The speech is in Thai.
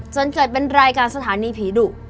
จนเกิดเป็นรายการสถานีผีดุ